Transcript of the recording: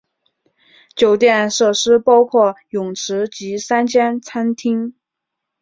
酒店设施包括泳池及三间餐厅。